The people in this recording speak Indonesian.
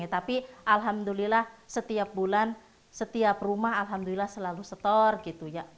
tapi alhamdulillah setiap bulan setiap rumah alhamdulillah selalu setor gitu ya